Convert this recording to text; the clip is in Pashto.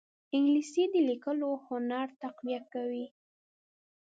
انګلیسي د لیکلو هنر تقویه کوي